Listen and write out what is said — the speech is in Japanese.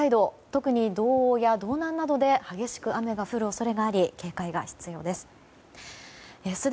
特に道央や道南などで激しく雨が降る恐れがあり警戒が必要です。